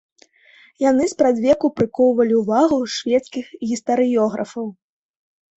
Яны спрадвеку прыкоўвалі ўвагу шведскіх гістарыёграфаў.